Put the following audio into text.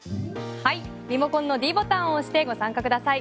リモコンのｄボタンを押してご参加ください。